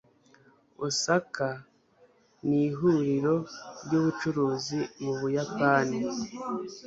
osaka ni ihuriro ry'ubucuruzi mu buyapani